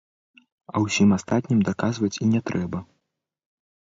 А ўсім астатнім даказваць і не трэба.